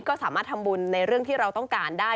ก็สามารถทำบุญในเรื่องที่เราต้องการได้